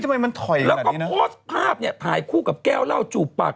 แล้วก็โพสท์ภาพถ่ายขู่กับแก้วเหล้าจูบปาก